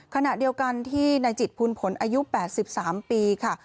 ขณะเดียวกันที่นายจิตภูลผลอายุ๘๓ปีค่ะ